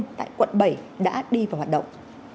bệnh nhân tại quận bảy đã đi vào hoạt động